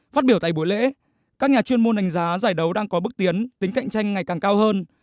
phát biểu tại buổi lễ các nhà chuyên môn đánh giá giải đấu đang có bước tiến tính cạnh tranh ngày càng cao hơn